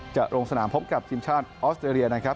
จะลงสนามพบกับทีมชาติออสเตรเลียนะครับ